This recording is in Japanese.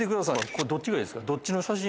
これどっちがいいですか？